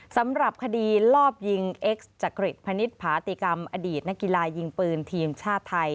สำหรับคดีลอบยิงเอ็กซ์จักริตพนิษฐาติกรรมอดีตนักกีฬายิงปืนทีมชาติไทย